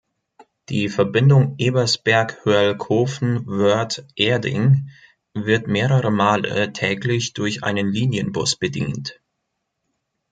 Die Verbindung Ebersberg–Hörlkofen–Wörth–Erding wird mehrere Male täglich durch einen Linienbus bedient.